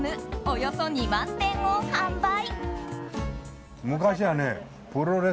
およそ２万点を販売。